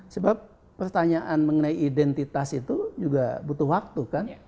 sebab pertanyaan mengenai identitas itu juga butuh waktu kan